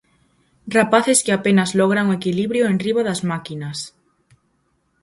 Rapaces que apenas logran o equilibrio enriba das máquinas.